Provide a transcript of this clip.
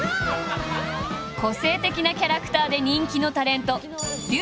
個性的なキャラクターで人気のタレント